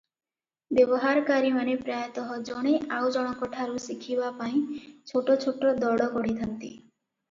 ବ୍ୟବହାରକାରୀମାନେ ପ୍ରାୟତଃ ଜଣେ ଆଉଜଣଙ୍କଠାରୁ ଶିଖିବା ପାଇଁ ଛୋଟ ଛୋଟ ଦଳ ଗଢ଼ିଥାନ୍ତି ।